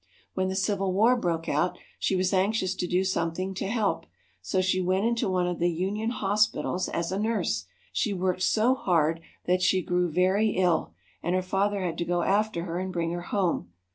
When the Civil War broke out, she was anxious to do something to help, so she went into one of the Union hospitals as a nurse. She worked so hard that she grew very ill, and her father had to go after her and bring her home.